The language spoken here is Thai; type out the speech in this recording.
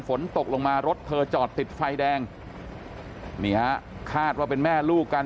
ฝนตกลงมารถเธอจอดติดไฟแดงนี่ฮะคาดว่าเป็นแม่ลูกกัน